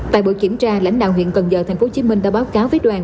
tại buổi kiểm tra lãnh đạo huyện cần giờ tp hcm đã báo cáo với đoàn